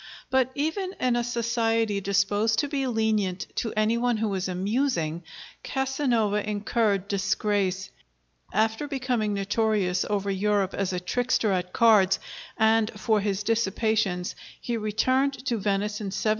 But even in a society disposed to be lenient to any one who was amusing, Casanova incurred disgrace. After becoming notorious over Europe as a trickster at cards, and for his dissipations, he returned to Venice in 1755.